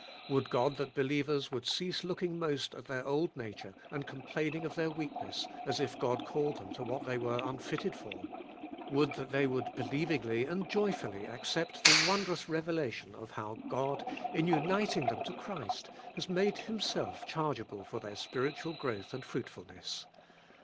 Would God that believers would cease looking most at their old nature, and complaining of their weakness, as if God called them to what they were unfitted for! Would that they would believingly and joyfully ac cept the wondrous revelation of how God, in uniting them to Christ, has made Himself chargeable for their spiritual growth and fruitfulness.